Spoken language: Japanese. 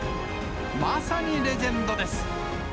まさにレジェンドです。